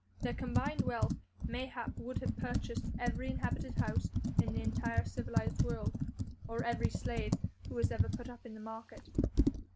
Their combined wealth mayhap would have purchased every inhabited house in the entire civilised world or every slave who was ever put up in the market.